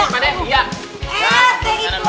eh teh itu